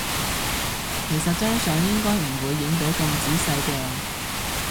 其實張相應該唔會影到咁仔細嘅